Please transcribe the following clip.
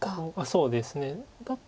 そうですね。